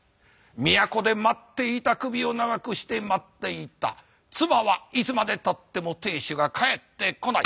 都で待っていた首を長くして待っていた妻はいつまでたっても亭主が帰ってこない。